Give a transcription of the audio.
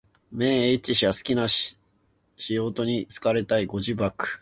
綿 h 氏は好きな使途に好かれたい。ご自爆